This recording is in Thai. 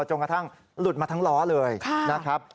จนกระทั่งหลุดมาทั้งล้อเลยนะครับ